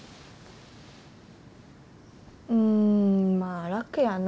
うんまあ楽やな。